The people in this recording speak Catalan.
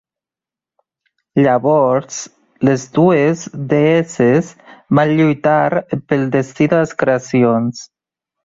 Llavors les dues deesses van lluitar pel destí de les creacions.